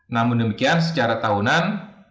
namun demikian secara tahunan